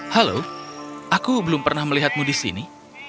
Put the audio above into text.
halo aku belum pernah melihatmu di sini